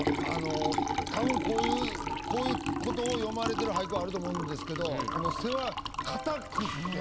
たぶんこういうこういうことを詠まれてる俳句はあると思うんですけどこの「背は硬く」って